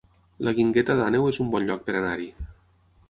La Guingueta d'Àneu es un bon lloc per anar-hi